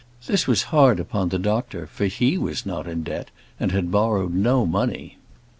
This was hard upon the doctor, for he was not in debt, and had borrowed no money.